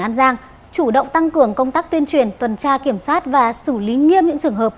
an giang chủ động tăng cường công tác tuyên truyền tuần tra kiểm soát và xử lý nghiêm những trường hợp